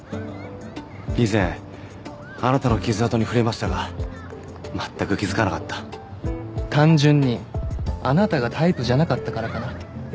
以前あなたの傷痕に触れましたが全く気づかなかった単純にあなたがタイプじゃなかったからかな